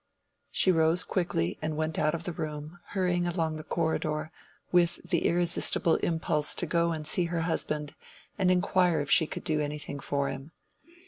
She rose quickly and went out of the room, hurrying along the corridor, with the irresistible impulse to go and see her husband and inquire if she could do anything for him.